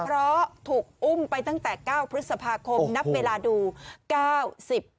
เพราะถูกอุ้มไปตั้งแต่เก้าพฤษภาคมนับเวลาดูเก้าสิบ